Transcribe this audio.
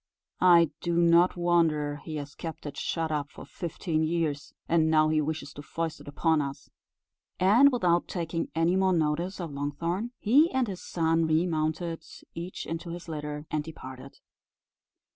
I do not wonder he has kept it shut up for fifteen years, and now he wishes to foist it upon us." And without taking any more notice of Longthorn, he and his son remounted each into his litter, and departed.